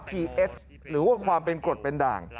ทีเอสหรือว่าความเป็นกรดเป็นด่าง